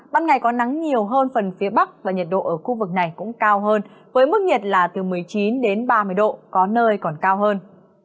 ban ngày có nắng nhiều hơn phần phía bắc và nhiệt độ ở khu vực này cũng cao hơn với mức nhiệt là từ một mươi chín đến ba mươi độ có nơi còn cao hơn